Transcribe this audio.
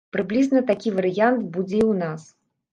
Прыблізна такі варыянт будзе і ў нас.